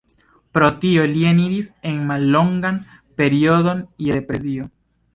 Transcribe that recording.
Pro tio li eniris en mallongan periodon je depresio.